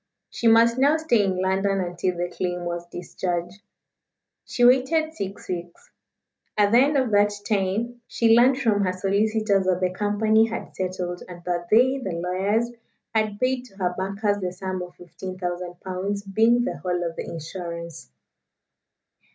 She must now stay in London until the claim was discharged. She waited six weeks. At the end of that time she learned from her solicitors that the company had settled, and that they, the lawyers, had paid to her bankers the sum of 15,000 pounds being the whole of the insurance.